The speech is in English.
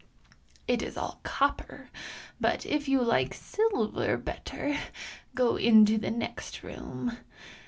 It is all copper, but if you like silver better, go into the next room.